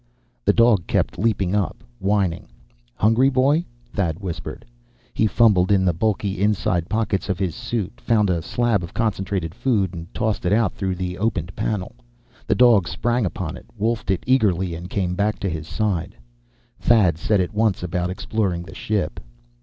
The dog kept leaping up, whining. "Hungry, boy?" Thad whispered. He fumbled in the bulky inside pockets of his suit, found a slab of concentrated food, and tossed it out through the opened panel. The dog sprang upon it, wolfed it eagerly, and came back to his side. Thad set at once about exploring the ship.